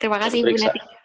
terima kasih ibu